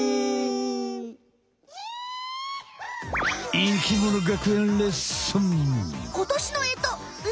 生きもの学園レッスン！